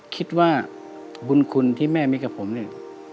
คิดว่าบุญคุณที่แม่มีกับผมเนี่ย